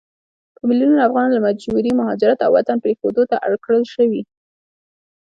په ميلونونو افغانان له مجبوري مهاجرت او وطن پريښودو ته اړ کړل شوي